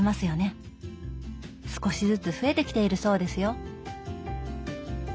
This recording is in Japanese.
少しずつ増えてきているそうですよ。